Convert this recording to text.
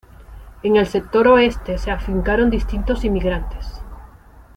En el sector oeste se afincaron distintos inmigrantes.